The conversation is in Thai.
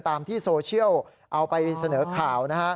ตามที่โซเชียลเอาไปเสนอข่าวนะฮะ